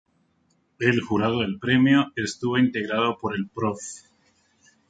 El jurado del premio estuvo integrado por el Prof.